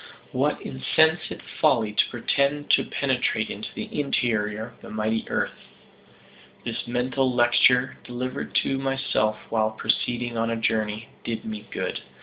what insensate folly to pretend to penetrate into the interior of the mighty earth! This mental lecture delivered to myself while proceeding on a journey, did me good.